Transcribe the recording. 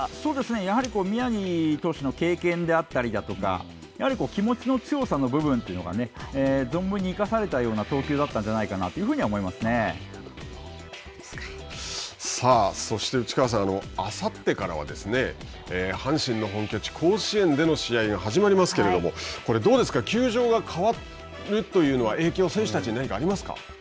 やはり宮城投手の経験であったりだとか、やはり気持ちの強さの部分というのが、存分に生かされたような投球だったんじゃないかなさあ、そして内川さん、あさってからは阪神の本拠地甲子園での試合が始まりますけれども、これ、どうですか、球場が変わるというのは影響、選手たちに何かありますか。